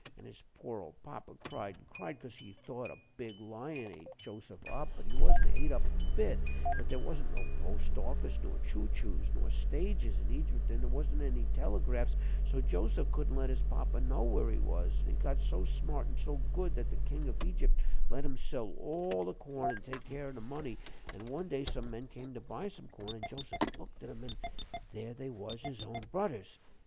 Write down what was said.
An' his poor old papa cried, an' cried, 'cause he thought a big lion ate Joseph up; but he wasn't ate up a bit; but there wasn't no post office nor choo choos, nor stages in Egypt, an' there wasn't any telegraphs, so Joseph couldn't let his papa know where he was; an' he got so smart an' so good that the king of Egypt let him sell all the corn an' take care of the money; an' one day some men came to buy some corn, an' Joseph looked at 'em an' there they was his own budders!